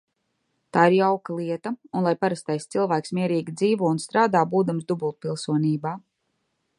Tā ir jauka lieta, un lai parastais cilvēks mierīgi dzīvo un strādā, būdams dubultpilsonībā.